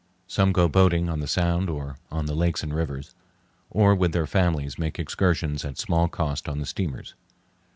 Some go boating on the Sound or on the lakes and rivers, or with their families make excursions at small cost on the steamers.